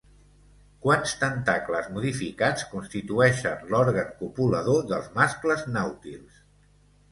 Quants tentacles modificats constitueixen l'òrgan copulador dels mascles nàutils?